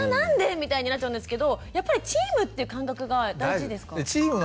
みたいになっちゃうんですけどやっぱりチームっていう感覚が大事ですか？